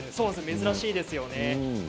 珍しいですよね。